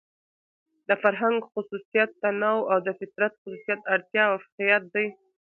د فرهنګ خصوصيت تنوع او د فطرت خصوصيت اړتيا او اۤفاقيت دى.